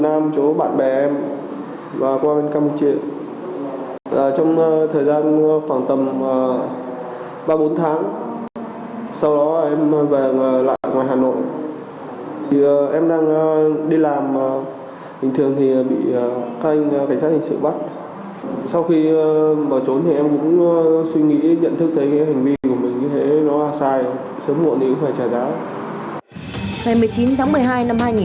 nam đang đi làm bình thường bị cảnh sát hình sự bắt sau khi bảo trốn em cũng suy nghĩ nhận thức thấy hành vi của mình như thế nó sai sớm muộn thì cũng phải trả giá